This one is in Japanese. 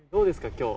今日。